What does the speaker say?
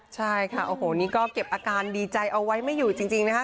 ใช่ค่ะโอ้โหนี่ก็เก็บอาการดีใจเอาไว้ไม่อยู่จริงนะคะ